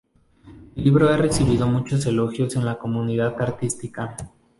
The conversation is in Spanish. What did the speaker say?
El libro ha recibido muchos elogios en la comunidad artística.